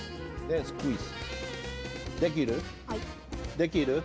できる？